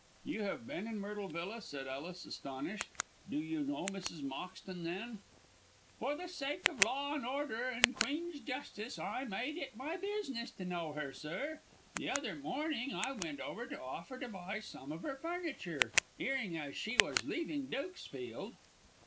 "You have been in Myrtle Villa?" said Ellis, astonished. "Do you know Mrs. Moxton, then?" "For the sake of law and order and Queen's justice I made it my business to know her, sir. The other morning I went over to offer to buy some of her furniture, 'earing as she was leaving Dukesfield."